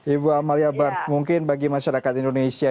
ibu amalia barh mungkin bagi masyarakat indonesia